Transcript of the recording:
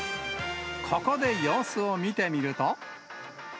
ここで様子を見てみると。